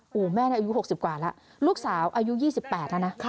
หนุ่มแม่น่ะอายุหกสิบกว่าแล้วลูกสาวอายุยี่สิบแปดแล้วนะ